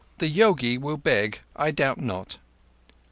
The yogi will beg, I doubt not."